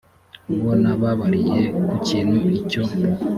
uwo nababariye ku kintu icyo